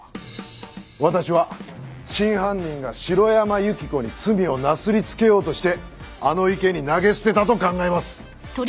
私は真犯人が城山由希子に罪をなすりつけようとしてあの池に投げ捨てたと考えます！